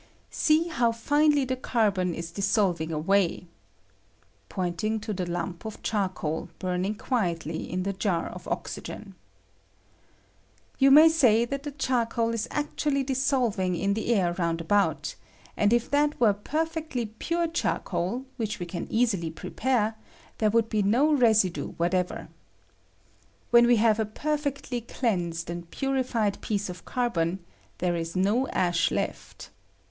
See how finely the carbon is dissolving away [pointing to the lump of charcoal burning quietly in the jar of oxygen]. You may say that the charcoal is actually dis solving in the air round about ; and if that were perfectly pure charcoal, which we can easily prepare, there would be no residue whatever. When we have a perfectly cleansed and purified r I 160 ANALYSIS OF CAItBONIC ACID. piece of carbon, there is no ash. left.